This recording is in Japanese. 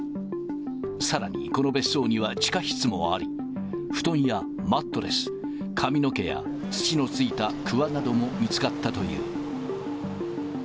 さらに、この別荘には地下室もあり、布団やマットレス、髪の毛や土のついたくわなども見つかったという。